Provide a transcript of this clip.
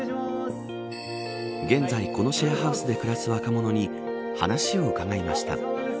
現在このシェアハウスで暮らす若者に話を伺いました。